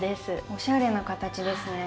おしゃれな形ですね。